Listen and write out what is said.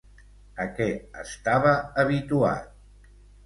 A què estava habituat?